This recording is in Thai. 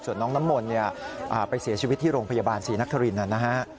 ส่วนน้องน้ำมนเนี่ยไปเสียชีวิตที่โรงพยาบาลศรีนักษรินต์นั่นนะฮะ